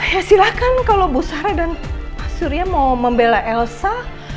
ya silahkan kalau bu sara dan pak surya mau membela elsa